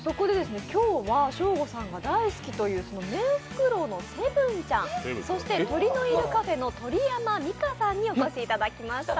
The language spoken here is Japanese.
今日はショーゴさんが大好きというメンフクロウのセブンちゃんそして、鳥のいるカフェの鳥山さんにお越しいただきました。